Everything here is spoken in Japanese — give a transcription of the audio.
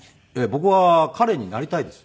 僕は彼になりたいです。